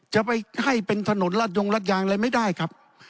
จะไปให้เป็นถนนรัฐยงรัฐยางอะไรไม่ได้ครับ